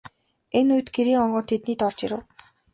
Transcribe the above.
Энэ үед Гэрийн онгон тэднийд орж ирэв.